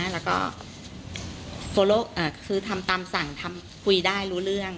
แล้วก็ทำตามสั่งคุยได้รู้เรื่อง